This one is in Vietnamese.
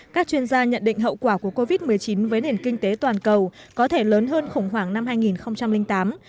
các chuyên gia nhận định hậu quả của covid một mươi chín với nền kinh tế toàn cầu có thể lớn hơn khủng hoảng năm hai nghìn tám